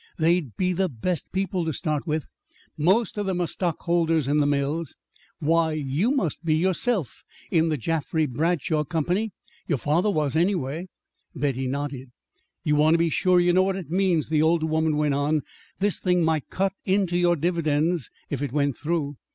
There'd be the best people, to start with. Most of them are stockholders in the mills. Why, you must be, yourself, in the Jaffry Bradshaw Company! Your father was, anyway." Betty nodded. "You want to be sure you know what it means," the older woman went on. "This thing might cut into your dividends, if it went through."